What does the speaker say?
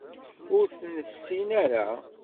Ur t-nessin ara.